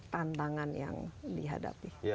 tantangan yang dihadapi